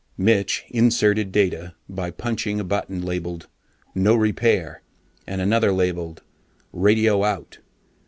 Mitch "inserted data" by punching a button labelled NO REPAIR and another labelled RADIO OUT.